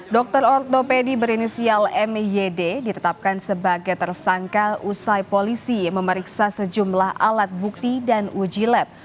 dr ortopedi berinisial myd ditetapkan sebagai tersangka usai polisi memeriksa sejumlah alat bukti dan uji lab